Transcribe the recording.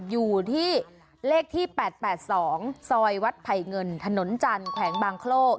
อยู่ที่เลขที่๘๘๒ซอยวัดไผ่เงินถนนจันทร์แขวงบางโคร่